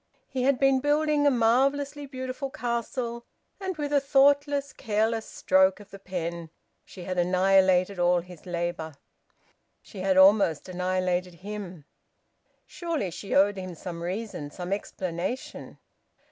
He had been building a marvellously beautiful castle, and with a thoughtless, careless stroke of the pen she had annihilated all his labour; she had almost annihilated him. Surely she owed him some reason, some explanation!